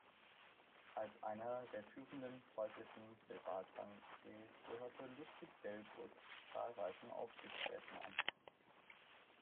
Als einer der führenden preußischen Privatbankiers gehörte Ludwig Delbrück zahlreichen Aufsichtsräten an.